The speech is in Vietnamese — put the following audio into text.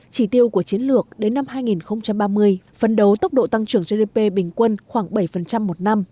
chỉ tiêu của chiến lược đến năm hai nghìn ba mươi phấn đấu tốc độ tăng trưởng gdp bình quân khoảng bảy một năm